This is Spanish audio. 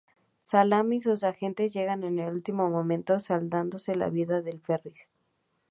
Salaam y sus agentes llegan en el último momento, salvándole la vida a Ferris.